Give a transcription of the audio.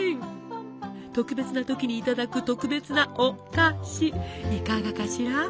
特別な時にいただく特別なお菓子いかがかしら？